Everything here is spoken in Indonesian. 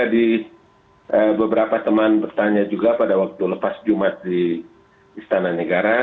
jadi beberapa teman bertanya juga pada waktu lepas jumat di istana negara